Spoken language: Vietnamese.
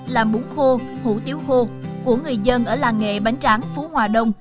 làm bún khô hủ tiếu khô của người dân ở làng nghề bánh tráng phú hòa đông